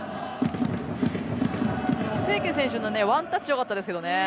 清家選手のワンタッチ良かったですけどね。